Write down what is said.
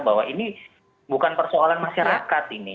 bahwa ini bukan persoalan masyarakat ini